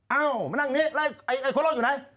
เอามานั่งนี้แล้วไอ้โคโร่อยู่ไหน